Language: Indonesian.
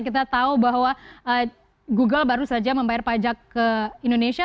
kita tahu bahwa google baru saja membayar pajak ke indonesia